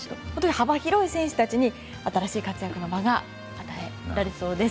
幅広い選手たちに新しい活躍の場が与えられそうです。